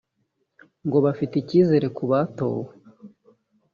ngo bafite ikizere ku batowe